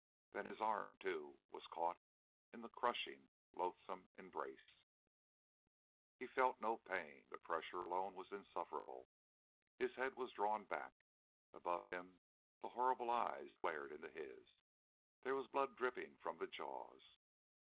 Then his arm, too, was caught in the crushing loathsome embrace.... He felt no pain the pressure alone was insufferable. His head was drawn back. Above him the horrible eyes glared into his there was blood dripping from the jaws....